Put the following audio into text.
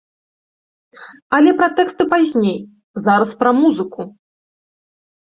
Але пра тэксты пазней, зараз пра музыку.